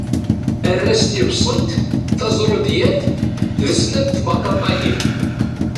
Err-as tibṣelt, tazṛudiyat d snat tbaṭaṭayin.